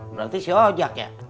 berarti si ojak ya